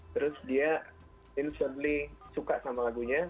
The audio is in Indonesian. terus dia instantly suka sama lagunya